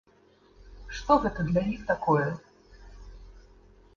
Што гэта для іх такое.